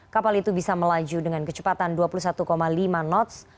kapal itu bisa melaju dengan kecepatan dua puluh satu lima knots